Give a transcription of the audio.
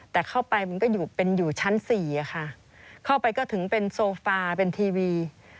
แต่เข้าไปมันก็อยู่เป็นอยู่ชั้นสี่อะค่ะเข้าไปก็ถึงเป็นโซฟาเป็นทีวี